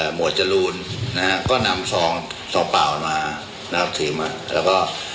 หมวดจรูลนะฮะก็นำซองเปล่ามานะครับถือมา